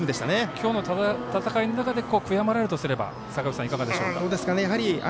今日の戦いの中で悔やまれるとすれば、坂口さんはいかがでしょうか。